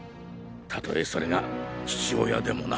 たとえそれが父親でもな。